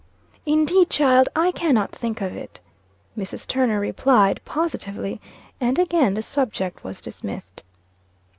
"Indeed, child, I cannot think of it," Mrs. Turner replied, positively; and again the subject was dismissed.